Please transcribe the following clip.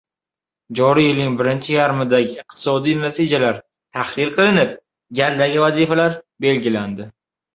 Joriy yilning birinchi yarmidagi iqtisodiy natijalar tahlil qilinib, galdagi vazifalar belgilandi